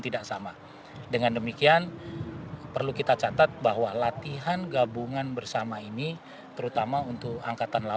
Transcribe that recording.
tidak sama dengan demikian perlu kita catat bahwa latihan gabungan bersama ini terutama untuk angkatan laut